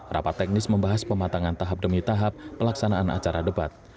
rapat teknis membahas pematangan tahap demi tahap pelaksanaan acara debat